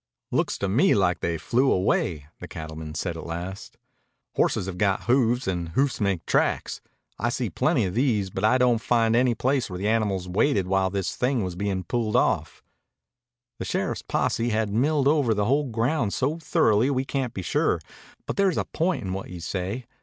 "Looks to me like they flew away," the cattleman said at last. "Horses have got hoofs and hoofs make tracks. I see plenty of these, but I don't find any place where the animals waited while this thing was bein' pulled off." "The sheriff's posse has milled over the whole ground so thoroughly we can't be sure. But there's a point in what you say.